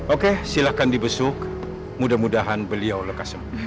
oke silahkan dibesuk mudah mudahan beliau lekas semua